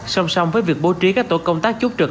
song song với việc bố trí các tổ công tác chốt trực